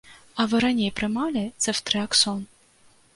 А вы раней прымалі цэфтрыаксон?